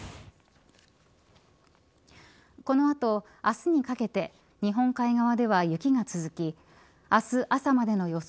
この後、明日にかけて日本海側では雪が続き明日、朝までの予想